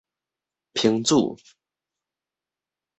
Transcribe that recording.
烹煮